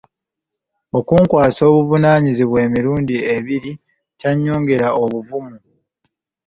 Okunkwasa obuvunaanyizibwa obw’emirundi ebiri kyannyongera obuvumu.